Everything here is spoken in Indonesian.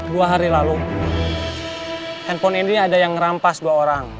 dua hari lalu handphone ini ada yang merampas dua orang